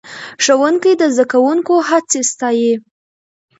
ښوونکی د زده کوونکو هڅې ستایي